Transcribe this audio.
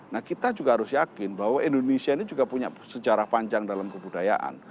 nah kita juga harus yakin bahwa indonesia ini juga punya sejarah panjang dalam kebudayaan